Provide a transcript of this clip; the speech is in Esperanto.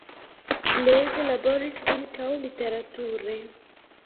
Blaise laboris ankaŭ literature.